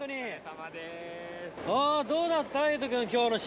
おお、どうだった？